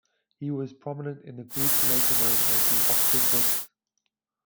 He was prominent in the group later known as the Oxford Wits.